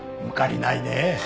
抜かりないね。